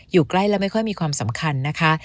อยู่ใกล้แล้วไม่ค่อยมีความสำคัญนะคะ